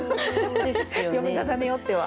読み方によっては。